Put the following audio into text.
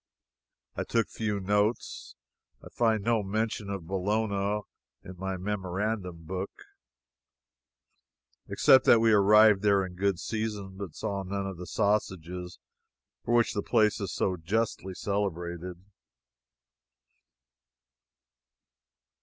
I took few notes. I find no mention of Bologna in my memorandum book, except that we arrived there in good season, but saw none of the sausages for which the place is so justly celebrated.